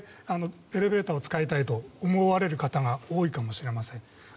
エレベーターを使いたいと思われる方が多いかもしれません。